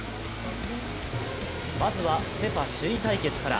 まずはセ・パ首位対決から。